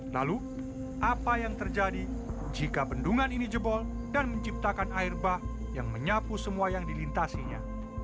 lalu apa yang terjadi jika bendungan ini jebol dan menciptakan air bah yang menyapu semua yang dilintasinya